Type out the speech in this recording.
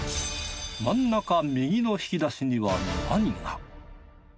真ん中右の引き出しには何が？